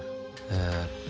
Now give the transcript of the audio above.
えっと